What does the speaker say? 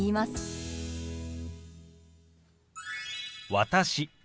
「私」